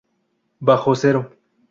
Bajo cero.